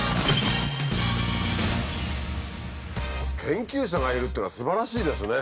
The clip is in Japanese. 研究者がいるっていうのはすばらしいですね。